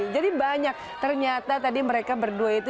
jadi banyak ternyata tadi mereka berdua itu